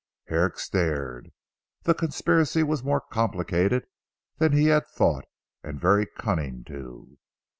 Herrick stared. The conspiracy was more complete than he had thought, and very cunning too.